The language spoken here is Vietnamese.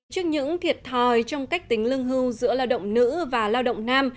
trước những thiệt thòi trong cách tính lương hưu giữa lao động nữ và lao động nam